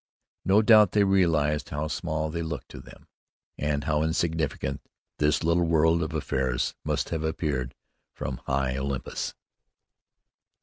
No doubt they realized how small they looked to them, and how insignificant this little world of affairs must have appeared from high Olympus.